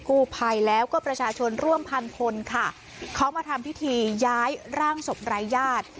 กู้ภัยแล้วก็ประชาชนร่วมพันคนค่ะเขามาทำพิธีย้ายร่างศพรายญาติ